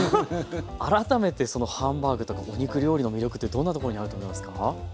改めてそのハンバーグとかお肉料理の魅力ってどんなところにあると思いますか？